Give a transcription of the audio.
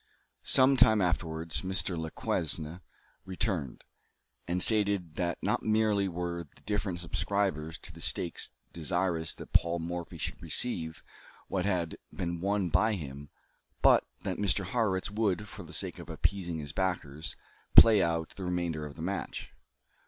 Some time afterwards, Mr. Lequesne returned, and stated that not merely were the different subscribers to the stakes desirous that Paul Morphy should receive what had been won by him, but that Mr. Harrwitz would, for the sake of appeasing his backers, play out the remainder of the match.